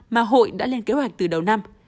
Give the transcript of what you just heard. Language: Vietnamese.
mà hội đã lên kế hoạch từ đầu năm